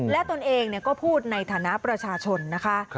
และตนเองก็พูดในฐานะประชาชนนะคะ